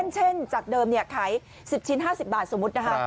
เช่นจากเดิมขาย๑๐ชิ้น๕๐บาทสมมุตินะคะ